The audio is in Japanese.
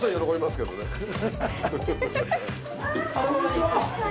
こんにちは。